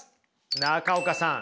中岡さん